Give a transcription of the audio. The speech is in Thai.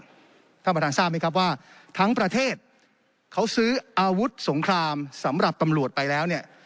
ท่านประธานทราบไหมครับว่าทั้งประเทศเขาซื้ออาวุธสงครามสำหรับตำรวจไปแล้วเนี่ย